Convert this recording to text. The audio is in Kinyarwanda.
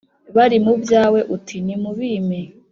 bari mu byawe uti : nimubimpe.